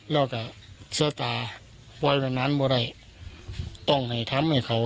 แล้วก็เจ้าตาไว้มานานเมื่อไรต้องให้ทำให้เขา